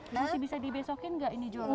ini sih bisa dibesokin gak ini jualan jualan